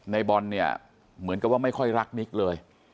ในบอลเนี่ยเหมือนกับว่าไม่ค่อยรักนิกเลย